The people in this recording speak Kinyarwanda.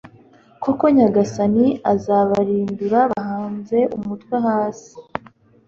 koko nyagasani azababirindura babanze umutwe hasi